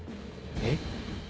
えっ？